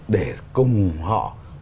để cùng họ